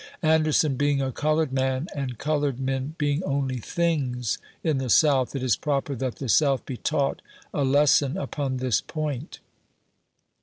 Anderson being a colored man, and colored men being only things in the South, it is proper that the South be taught a lesson upon this point.